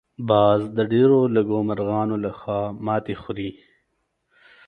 باز د ډېر لږو مرغانو لخوا ماتې خوري